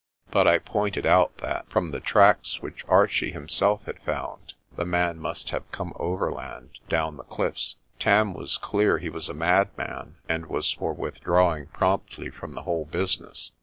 But I pointed out that, from the tracks which Archie himself had found, the man must have come overland down the cliffs. Tarn was clear he was a madman, and was for withdrawing promptly from the whole business.